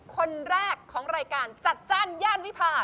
คนแรกของรายการจัดจ้านย่านวิพา